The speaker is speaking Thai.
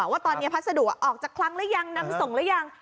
ว่าตอนนี้พัสดุออกจากครั้งหรือยังนำส่งหรือยัง